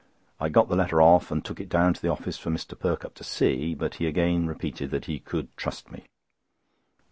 I got the letter off, and took it down to the office for Mr. Perkupp to see, but he again repeated that he could trust me.